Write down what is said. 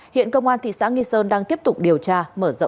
hiện công an thị xã nghi sơn đang tiếp tục điều tra mở rộng vụ án